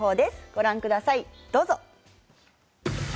ご覧ください、どうぞ！